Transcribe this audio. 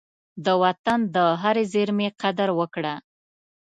د وطن د هرې زېرمي قدر وکړه.